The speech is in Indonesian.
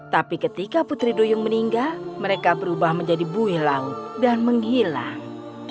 tapi ketika putri duyung meninggal mereka berubah menjadi buih laut dan menghilang